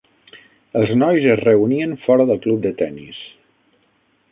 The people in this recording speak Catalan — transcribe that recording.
Els nois es reunien fora del club de tennis.